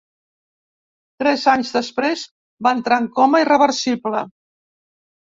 Tres anys després va entrar en coma irreversible.